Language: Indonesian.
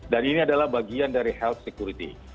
dan ini adalah bagian dari health security